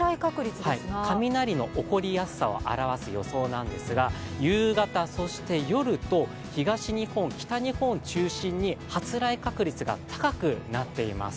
雷が起こりやすくなる確率ですが夕方、そして夜と東日本、北日本を中心に発雷確率が高くなっています。